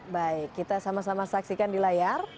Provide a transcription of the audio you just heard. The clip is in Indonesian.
baik kita sama sama saksikan di layar